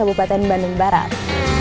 bersih dan cantik